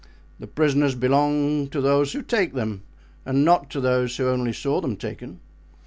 The prisoners belong to those who take them and not to those who only saw them taken.